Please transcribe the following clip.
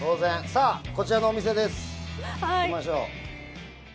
さあ、こちらのお店です行きましょう。